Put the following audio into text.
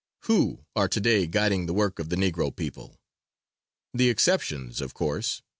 Who are to day guiding the work of the Negro people? The "exceptions" of course.